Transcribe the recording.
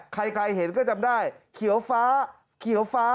ใครเห็นก็จำได้เขียวฟ้า